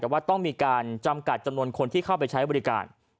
แต่ว่าต้องมีการจำกัดจำนวนคนที่เข้าไปใช้บริการ